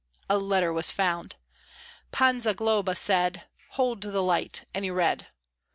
A letter was found. Pan Zagloba said, 'Hold the light!' and he read.